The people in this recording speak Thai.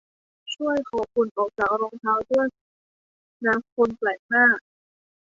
ช่วยเคาะฝุ่นออกจากรองเท้าด้วยนะคนแปลกหน้า